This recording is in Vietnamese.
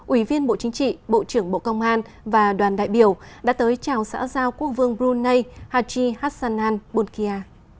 ủy viên bộ chính trị bộ trưởng bộ công an và đoàn đại biểu đã tới chào xã giao quốc vương brunei hachi hassanan bunkia